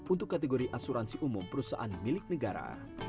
untuk kategori asuransi umum perusahaan milik negara